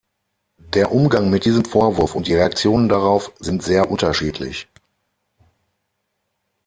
Der Umgang mit diesem Vorwurf und die Reaktionen darauf sind sehr unterschiedlich.